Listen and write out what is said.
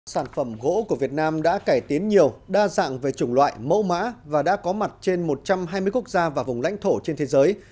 sản phẩm gỗ của việt nam đã cải tiến nhiều đa dạng về chủng loại mẫu mã và đã có mặt trên một trăm hai mươi quốc gia và vùng lãnh thổ trên thế giới